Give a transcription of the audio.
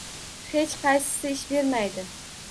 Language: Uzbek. - Hech qaysisi ish bermaydi!